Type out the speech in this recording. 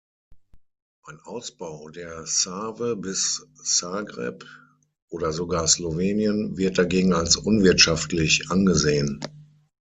Ein Ausbau der Save bis Zagreb oder sogar Slowenien wird dagegen als unwirtschaftlich angesehen.